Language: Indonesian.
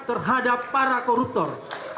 terhadap para koruptor